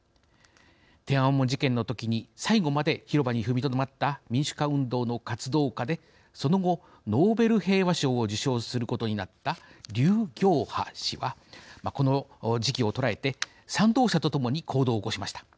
天安門事件のときに最後まで広場に踏みとどまった民主化運動の活動家でその後ノーベル平和賞を受賞することになった劉暁波氏はこの時期をとらえて賛同者とともに行動を起こしました。